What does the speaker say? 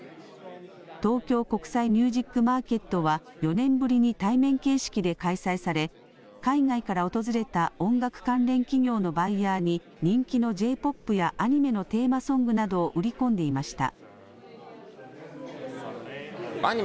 東京国際ミュージック・マーケットは４年ぶりに対面形式で開催され、海外から訪れた音楽関連企業のバイヤーに人気のＪ−ＰＯＰやアニメのテーマソングなどを売り込んでいました。